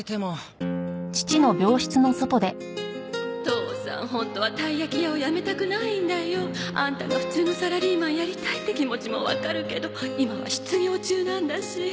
父さんホントはたいやき屋をやめたくないんだよ。あんたが普通のサラリーマンやりたいって気持ちもわかるけど今は失業中なんだし。